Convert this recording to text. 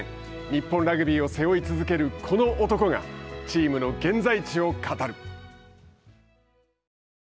日本ラグビーを背負い続けるこの男がチームの現在地を語る。